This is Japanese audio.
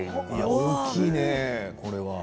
大きいねこれは。